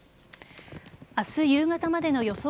明日夕方までの予想